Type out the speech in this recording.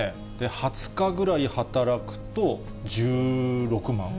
２０日ぐらい働くと、１６万？